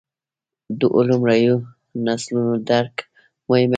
دوو لومړیو نسلونو درک مهم انګېري.